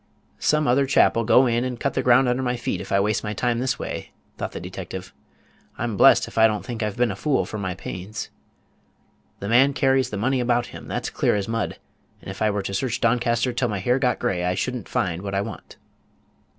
"Some other chap'll go in and cut the ground under my feet, if I waste my time this way," thought the detective. "I'm bless'd if I don't think I've been a fool for my pains. The man carries the money about him, that's clear as mud; and if I were to search Doncaster till my hair got gray, I should n't find what I want."